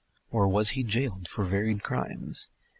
Or was he jailed for varied crimes?